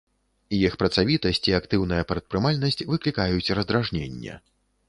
Іх працавітасць і актыўная прадпрымальнасць выклікаюць раздражненне.